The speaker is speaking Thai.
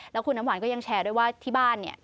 แล้วคุณน้ำหวานก็ยังแชร์ด้วยว่าที่บ้านเนี่ย